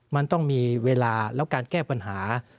มันต้องมีเวลาแล้วการแก้ปัญหา